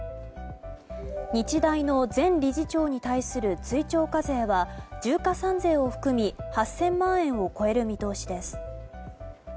日大の前理事長に対する追徴課税は重加算税を含み、８０００万円を超える見通しです。